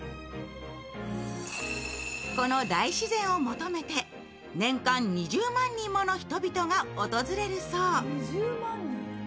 この大自然を求めて年間２０万人もの人々が訪れるそう。